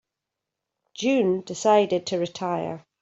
June decided to retire.